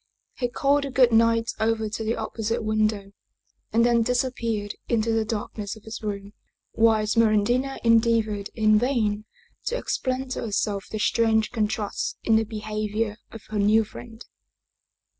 He called a good night over to the opposite window, and then disappeared into the darkness of his room, while Smeraldina endeavored in vain to ex 55 German Mystery Stories plain to herself the strange contrasts in the behavior of her new friend.